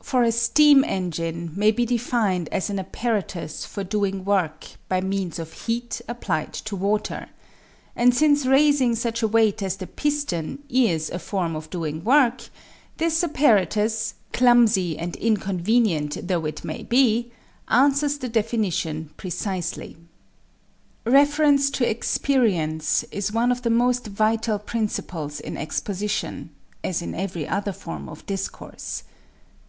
For a steam engine may be defined as an apparatus for doing work by means of heat applied to water; and since raising such a weight as the piston is a form of doing work, this apparatus, clumsy and inconvenient though it may be, answers the definition precisely. =Reference to Experience= is one of the most vital principles in exposition as in every other form of discourse.